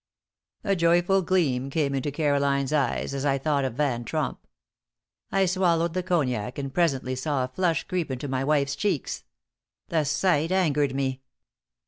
A joyful gleam came into Caroline's eyes as I thought of Van Tromp. I swallowed the cognac and presently saw a flush creep into my wife's cheeks. The sight angered me.